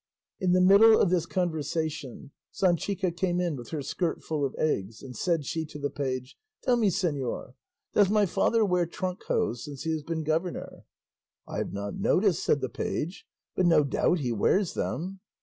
In the middle of this conversation Sanchica came in with her skirt full of eggs, and said she to the page, "Tell me, señor, does my father wear trunk hose since he has been governor?" "I have not noticed," said the page; "but no doubt he wears them."